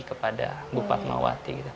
kepada bupat mawati